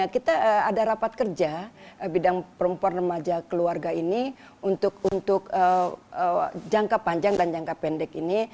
kita ada rapat kerja bidang perempuan remaja keluarga ini untuk jangka panjang dan jangka pendek ini